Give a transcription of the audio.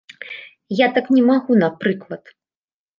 Я так не магу, напрыклад.